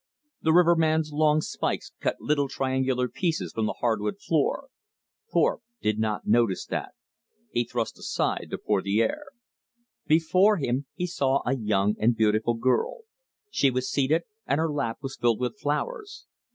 The riverman's long spikes cut little triangular pieces from the hardwood floor. Thorpe did not notice that. He thrust aside the portiere. Before him he saw a young and beautiful girl. She was seated, and her lap was filled with flowers.